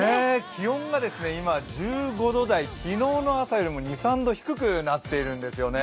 気温が今１５度台、昨日の朝よりも２３度低くなってるんですよね。